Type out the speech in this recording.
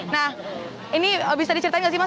nah ini bisa diceritain nggak sih mas